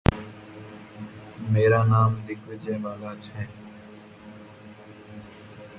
This system would be used in textile mills for many years.